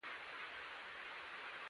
د پلار غږ د تجربې تفسیر دی